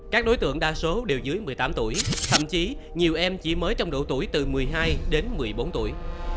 các đối tượng đa số đều dưới một mươi tám tuổi thậm chí nhiều em chỉ mới trong độ tuổi từ một mươi hai đến một mươi bốn tuổi